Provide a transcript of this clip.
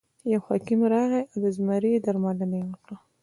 یو حکیم راغی او د زمري درملنه یې وکړه.